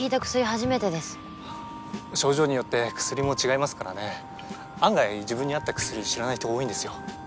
初めてです症状によって薬も違いますからね案外自分に合った薬知らない人多いんですよ